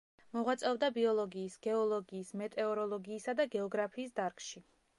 მოღვაწეობდა ბიოლოგიის, გეოლოგიის, მეტეოროლოგიისა და გეოგრაფიის დარგში.